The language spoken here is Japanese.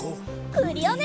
クリオネ！